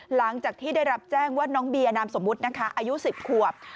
หลังจากที่ได้รับแจ้งว่าน้องเบียนามสมมุตินะคะอายุ๑๐ขวบ